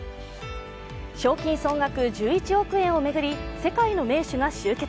賞金総額１１億円を巡り、世界の名手が集結。